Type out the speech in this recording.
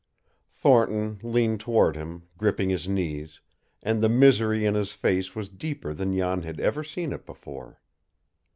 Thornton leaned toward him, gripping his knees, and the misery in his face was deeper than Jan had ever seen it before.